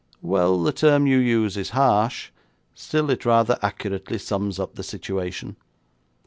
'Well, the term you use is harsh, still it rather accurately sums up the situation.